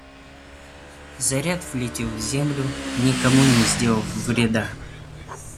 Заряд влетел в землю, никому не сделав вреда.